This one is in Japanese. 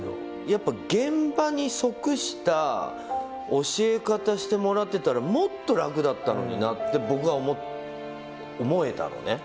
やっぱ現場に即した教え方してもらってたら、もっと楽だったのになって、僕は思えたのね。